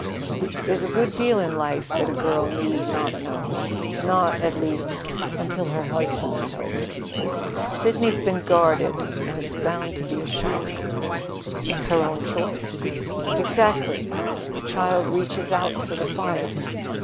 "There's a good deal in life that a girl need not know not, at least, until her husband tells her. Sidney's been guarded, and it's bound to be a shock." "It's her own choice." "Exactly. A child reaches out for the fire."